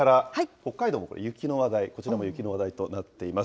北海道も雪の話題、こちらも雪の話題となっています。